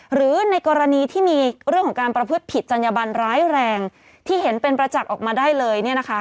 หรือในกรณีที่มีเรื่องของการประพฤติผิดจัญญบันร้ายแรงที่เห็นเป็นประจักษ์ออกมาได้เลย